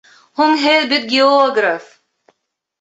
Һуң һеҙ бит географ!